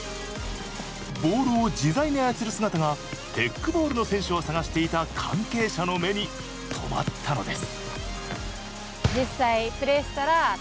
ボールを自在に操る姿がテックボールの選手を探していた関係者の目に留まったのです。